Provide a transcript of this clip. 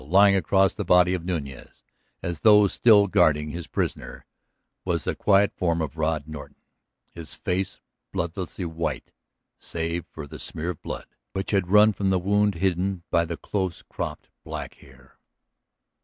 Lying across the body of Nuñez, as though still guarding his prisoner, was the quiet form of Rod Norton, his face bloodlessly white save for the smear of blood which had run from the wound hidden by the close cropped, black hair.